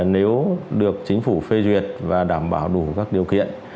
nếu được chính phủ phê duyệt và đảm bảo đủ các điều kiện